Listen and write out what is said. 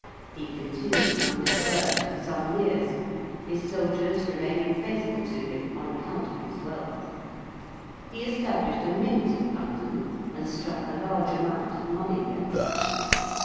He continued undisturbed for some years, his soldiers remaining faithful to him on account of his wealth: he established a Mint at London and struck a large amount of money there.